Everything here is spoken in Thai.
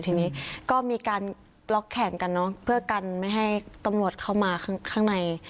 ทีนี้ก็มีการล็อกแขนกันเนอะเพื่อกันไม่ให้ตำรวจเข้ามาข้างใน